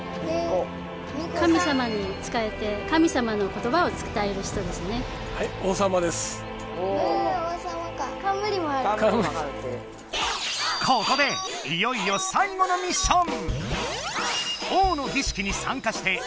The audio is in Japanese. ここでいよいよさい後のミッション！